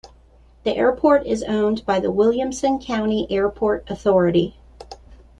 The airport is owned by the Williamson County Airport Authority.